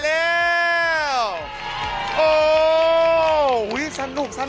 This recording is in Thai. แล้วโอ้อุ้ยสนุกสนุก